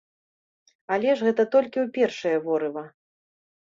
Але ж гэта толькі ў першае ворыва.